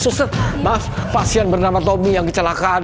susah maaf pasien bernama tommy yang kecelakaan